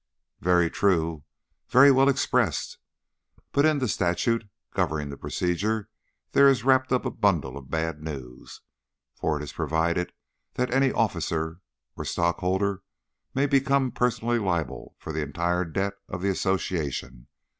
"Very true. Very well expressed. But in the statute governing the procedure there is wrapped up a bundle of bad news, for it is provided that any officer or stockholder may become personally liable for the entire debt of the association.